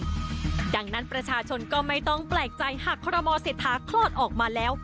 ดังนั้นประชาชนก็ไม่ต้องแปลกใจหากคอรมอเศรษฐาคลอดออกมาแล้ว